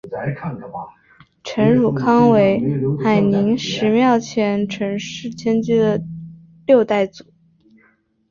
陈汝康为海宁十庙前陈氏迁居后的六代祖。